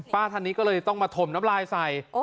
ท่านนี้ก็เลยต้องมาถมน้ำลายใส่